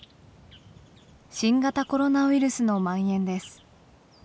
新型コロナウイルスのまん延です。